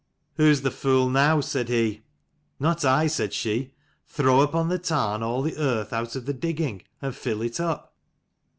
"Who is the fool, now?" said he. "Not. I," said she: "throw upon the tarn all the earth out of the digging, and fill it up."